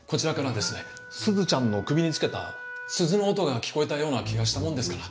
すずちゃんの首につけた鈴の音が聞こえたような気がしたもんですから。